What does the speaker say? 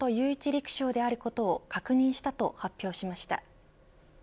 陸将であることを確認したと発表しました。